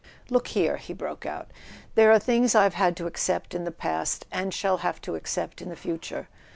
"Look here," he broke out, "there are things I've had to accept in the past, and shall have to accept in the future.